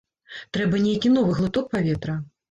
Трэба нейкі новы глыток паветра.